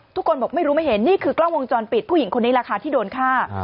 ทุกคนบอกไม่รู้ไม่เห็นนี่คือกล้องวงจรปิดผู้หญิงคนนี้แหละค่ะที่โดนฆ่า